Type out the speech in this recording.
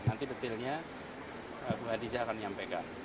nanti detailnya bu adisyah akan menyampaikan